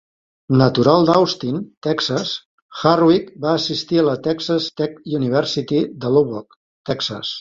Natural d'Austin, Texas, Hardwick va assistir a la Texas Tech University de Lubbock, Texas.